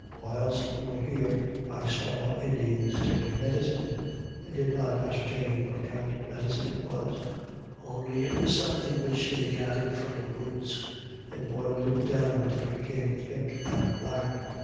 Whilst we were here I saw Indians take medicine. I did not ascertain what kind of medicine it was, only it was something which they gathered from the woods. They boiled it down until it became thick and black.